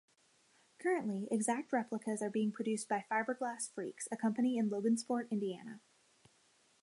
Currently, exact replicas are being produced by Fiberglass Freaks, a company in Logansport, Indiana.